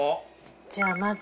じゃあまず鱈？